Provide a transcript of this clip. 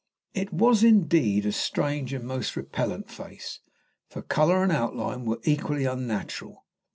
It was indeed a strange and most repellent face, for colour and outline were equally unnatural.